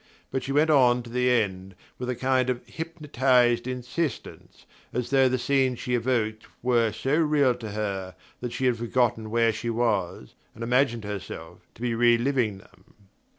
But she went on to the end, with a kind of hypnotized insistence, as though the scenes she evoked were so real to her that she had forgotten where she was and imagined herself to be re living them.